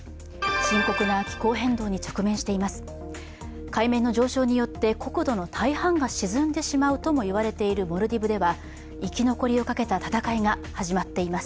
深刻な気候変動に直面しています。